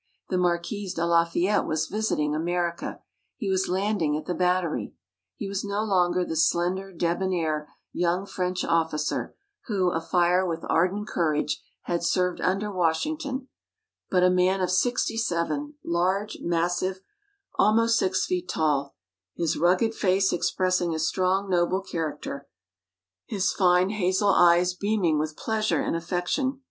The Marquis de Lafayette was visiting America. He was landing at the Battery. He was no longer the slender, debonair, young French officer who, afire with ardent courage, had served under Washington, but a man of sixty seven, large, massive, almost six feet tall, his rugged face expressing a strong noble character, his fine hazel eyes beaming with pleasure and affection.